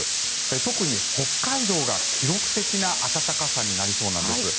特に北海道が記録的な暖かさになりそうです。